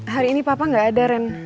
hari ini papa gak ada ren